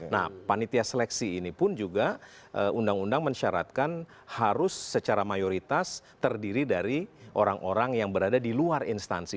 nah panitia seleksi ini pun juga undang undang mensyaratkan harus secara mayoritas terdiri dari orang orang yang berada di luar instansi